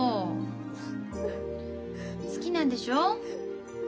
好きなんでしょ？